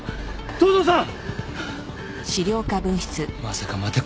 東堂さん！